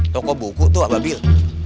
toko buku tuh ababil